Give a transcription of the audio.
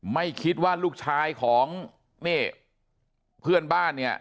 ไม่คิดว่าลูกชายของนี่เพื่อนบ้านเนี่ย